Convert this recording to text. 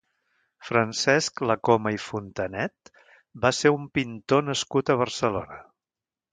Francesc Lacoma i Fontanet va ser un pintor nascut a Barcelona.